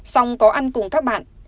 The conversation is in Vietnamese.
xong có ăn cùng các bạn